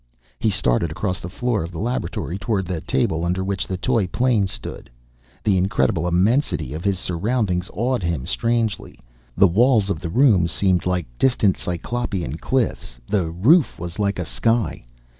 He started across the floor of the laboratory toward the table under which the toy plane stood. The incredible immensity of his surroundings awed him strangely. The walls of the room seemed distant, Cyclopean cliffs; the roof was like a sky.